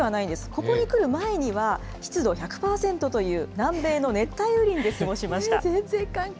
ここに来る前には、湿度１００％という南米の熱帯雨林で過ごしました。